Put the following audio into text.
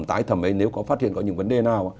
tải thầm ấy nếu có phát hiện có những vấn đề nào